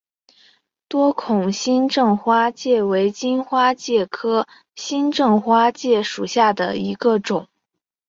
多孔新正花介为荆花介科新正花介属下的一个种。